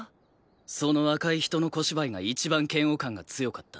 その赤い人の小芝居が一番嫌悪感が強かった。